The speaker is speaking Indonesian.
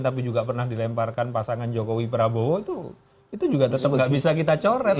tapi juga pernah dilemparkan pasangan jokowi prabowo itu itu juga tetap nggak bisa kita coret